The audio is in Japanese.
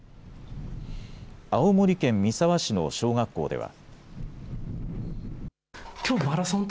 青森県三沢市の小学校では。